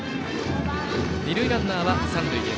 二塁ランナーは三塁へ。